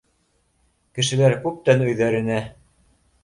Кешеләр күптән өйҙәренә